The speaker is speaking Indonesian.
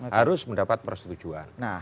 harus mendapat persetujuan